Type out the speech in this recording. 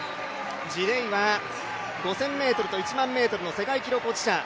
ギデイは５０００ｍを１００００ｍの世界記録保持者。